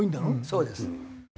そうです。